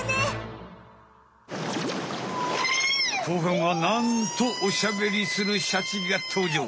後半はなんとおしゃべりするシャチがとうじょう。